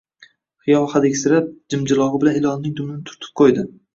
Xiyol hadiksirab, jimjilog`i bilan ilonning dumini turtib qo`ydi